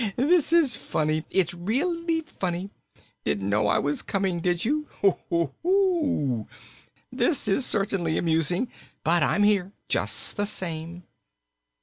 This is funny it's really funny. Didn't know I was coming, did you? Hoo, hoo, hoo, hoo! This is certainly amusing. But I'm here, just the same."